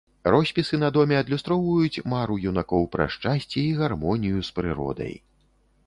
Роспісы на доме адлюстроўваюць мару юнакоў пра шчасце і гармонію з прыродай.